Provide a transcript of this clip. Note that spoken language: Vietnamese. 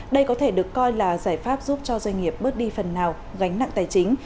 đây có thể được coi là giải pháp giúp cho doanh nghiệp bớt đi phần nào gánh nặng tài chính